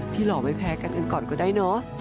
หล่อไม่แพ้กันกันก่อนก็ได้เนอะ